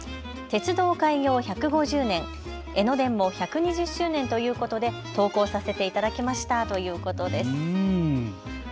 鉄道開業１５０年、江ノ電も１２０周年ということで投稿させていただきましたということです。